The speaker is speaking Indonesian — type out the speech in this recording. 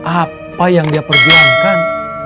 apa yang dia perjuangkan